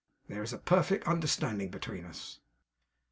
There is a perfect understanding between us.